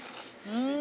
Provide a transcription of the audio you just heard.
うん！